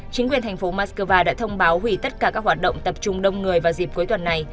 chính quyền thành phố moscow đã thông báo hủy tất cả các hoạt động tập trung đông người vào dịp cuối tuần này